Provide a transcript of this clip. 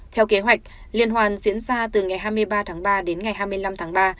theo kế hoạch liên hoàn diễn ra từ ngày hai mươi ba tháng ba đến ngày hai mươi năm tháng ba